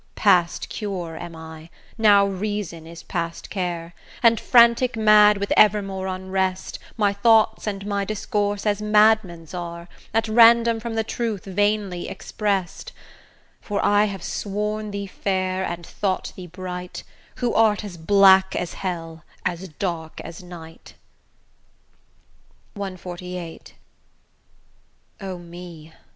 Past cure I am, now Reason is past care, And frantic mad with evermore unrest; My thoughts and my discourse as madmen's are, At random from the truth vainly express'd; For I have sworn thee fair, and thought thee bright, Who art as black as hell, as dark as night. CXLVIII O me!